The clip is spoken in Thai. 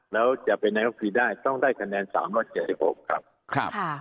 แล้วจะไปไหนบุษยบีร์ได้ต้องได้น้ำ๓๗๖ประมาณเดียว